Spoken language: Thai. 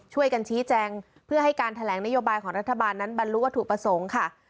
ช่วยกันชี้แจงเพื่อให้การแถลงนโยบายของรัฐบาลนั้นบรรลุวัตถุประสงค์ค่ะ